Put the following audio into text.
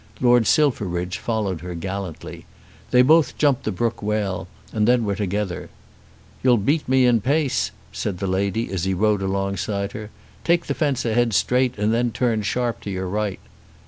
Lord Silverbridge followed her gallantly. They both jumped the brook well, and then were together. "You'll beat me in pace," said the lady as he rode alongside of her. "Take the fence ahead straight, and then turn sharp to your right."